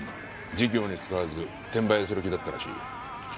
事業に使わず転売する気だったらしい。